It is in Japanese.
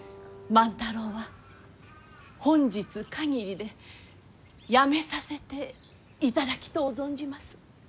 万太郎は本日限りでやめさせていただきとう存じます。